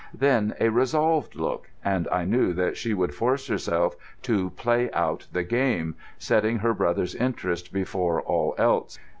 Then a resolved look—and I knew that she would force herself to play out the game, setting her brother's interest before all else.